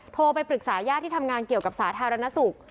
โทรไปปรึกษาญาติที่ทำงานเกี่ยวกับสาธารณสุข